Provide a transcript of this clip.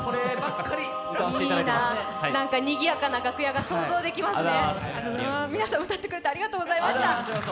いいなあ、にぎやかな楽屋が想像できますね。